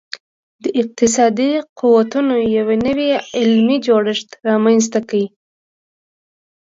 د اقتصادي قوتونو یو نوی علمي جوړښت رامنځته کړي